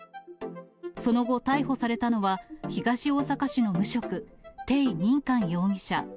その後、逮捕されたのは、東大阪市の無職、テイ・ニンカン容疑者